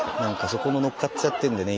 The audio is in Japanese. そこも乗っかっちゃってるんでね